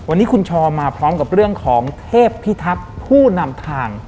วันนี้คุณชอมาพร้อมกับเรื่องของเทพพิทักษ์ผู้นำทาง